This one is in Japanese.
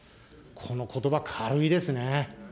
このことば、軽いですね。